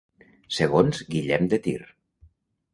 Segons Guillem de Tir.